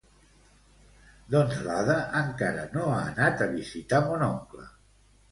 Doncs l'Ada encara no ha anat a visitar mon oncle